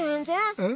えっ。